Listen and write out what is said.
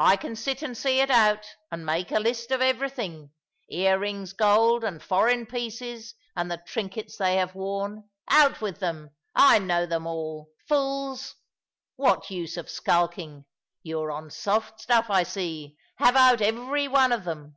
I can sit and see it out, and make a list of everything. Ear rings gold, and foreign pieces, and the trinkets they have worn. Out with them! I know them all. Fools! what use of skulking? You are on soft stuff, I see. Have out every one of them."